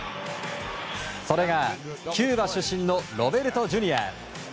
それがキューバ出身のロベルトＪｒ．。